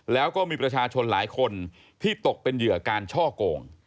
แล้วก็มีประชาชนหลายคนที่ตกเป็นเหยื่อการช่อโกง